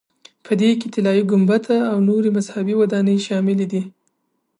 په دې کې طلایي ګنبده او نورې مذهبي ودانۍ شاملې دي.